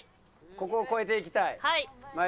ここを越えていきたい。